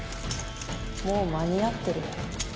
もう間に合ってる。